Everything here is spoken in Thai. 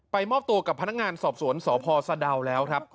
มอบตัวกับพนักงานสอบสวนสพสะดาวแล้วครับ